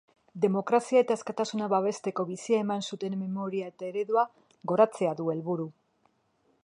Demokrazia eta askatasuna babesteko bizia eman zutenen memoria eta eredua goratzea du helburu.